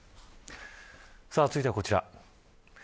続いては、こちら。